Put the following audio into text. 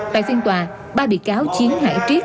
tại phiên tòa ba bị cáo chiến hải triết